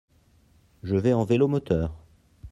Je vais en vélomoteur.